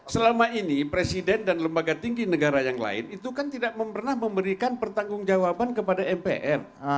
selama ini presiden dan lembaga tinggi negara yang lain itu kan tidak pernah memberikan pertanggung jawaban kepada mpr